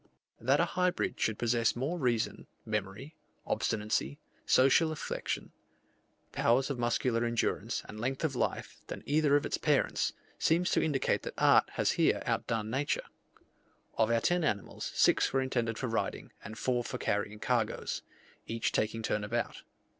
That a hybrid should possess more reason, memory, obstinacy, social affection, powers of muscular endurance, and length of life, than either of its parents, seems to indicate that art has here outdone nature. Of our ten animals, six were intended for riding, and four for carrying cargoes, each taking turn about.